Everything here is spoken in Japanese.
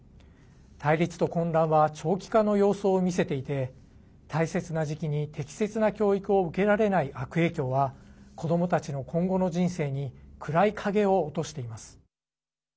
対立と混乱は長期化の様相を見せていて大切な時期に適切な教育を受けられない悪影響は子どもたちの今後の人生に暗い影を落としています。